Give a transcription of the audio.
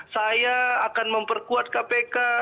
saya akan memperkuat kpk